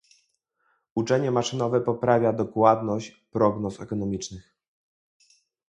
Uczenie maszynowe poprawia dokładność prognoz ekonomicznych.